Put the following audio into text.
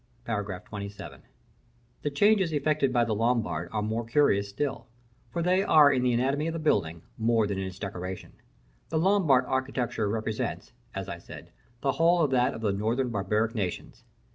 § XXVII. The changes effected by the Lombard are more curious still, for they are in the anatomy of the building, more than its decoration. The Lombard architecture represents, as I said, the whole of that of the northern barbaric nations.